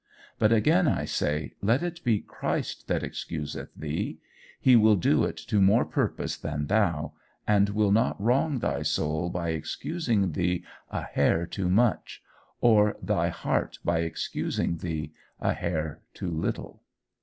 But again I say, let it be Christ that excuseth thee; he will do it to more purpose than thou, and will not wrong thy soul by excusing thee a hair too much, or thy heart by excusing thee a hair too little.